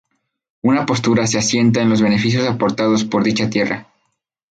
Una postura se asienta en los beneficios aportados por dicha tierra.